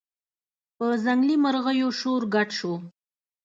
په ځنګلي مرغیو شور ګډ شو